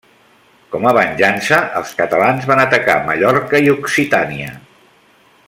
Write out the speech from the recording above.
Com a venjança, els catalans van atacar Mallorca i Occitània.